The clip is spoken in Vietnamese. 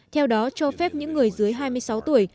theo đó cho phép những người dưới hai mươi sáu tuổi